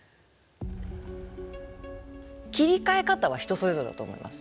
切り替え方は人それぞれだと思います。